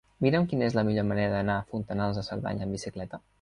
Mira'm quina és la millor manera d'anar a Fontanals de Cerdanya amb bicicleta.